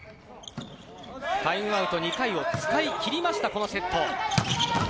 タイムアウトを２回使い切りましたこのセット。